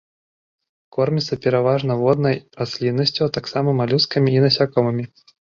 Корміцца пераважна воднай расліннасцю, а таксама малюскамі і насякомымі.